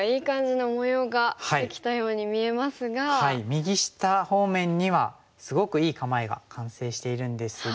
右下方面にはすごくいい構えが完成しているんですが。